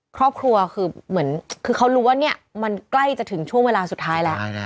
ครอบครัวคือเหมือนคือเขารู้ว่าเนี่ยมันใกล้จะถึงช่วงเวลาสุดท้ายแล้ว